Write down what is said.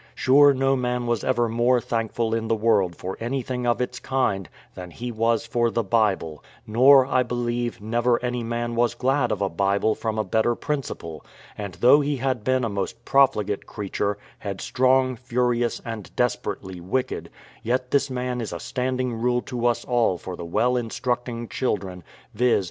Sure no man was ever more thankful in the world for anything of its kind than he was for the Bible, nor, I believe, never any man was glad of a Bible from a better principle; and though he had been a most profligate creature, headstrong, furious, and desperately wicked, yet this man is a standing rule to us all for the well instructing children, viz.